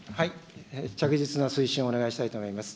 着実な推進をお願いしたいと思います。